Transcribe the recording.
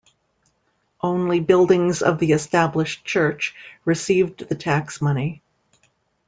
Only buildings of the established church received the tax money.